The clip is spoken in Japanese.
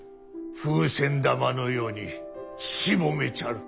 風船玉のようにしぼめちゃる。